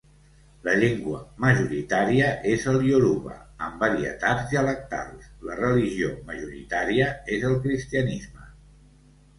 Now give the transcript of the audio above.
La llengua majoritària és el ioruba, amb varietats dialectals; la religió majoritària és el cristianisme.